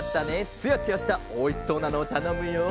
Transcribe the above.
つやつやしたおいしそうなのをたのむよ。